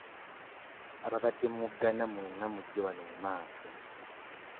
Ababadde muwoggana mwenna mujje wano mu maaso.